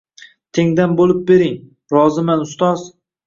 Tengdan bo’lib bering, roziman ustoz!